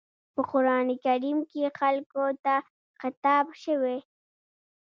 په قرآن کريم کې خلکو ته خطاب شوی.